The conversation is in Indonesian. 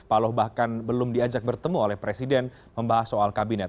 paloh bahkan belum diajak bertemu oleh presiden membahas soal kabinet